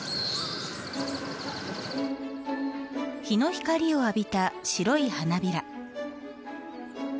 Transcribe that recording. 日の光を浴びた白い花びら。